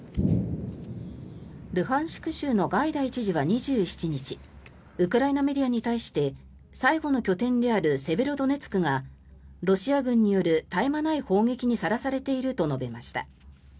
ルハンシク州のガイダイ知事は２７日ウクライナメディアに対して最後の拠点であるセベロドネツクがロシア軍による絶え間ない砲撃にさらされていると述べました。